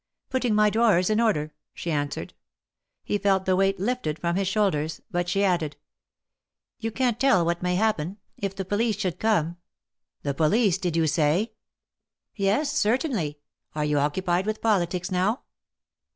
Putting my drawers in order," she answered. He felt the weight lifted from his shoulders. But she added : ^^You can't tell what may happen. If the police should come —" ^^The police, did you say?" Yes, certainly. Are you occupied with politics now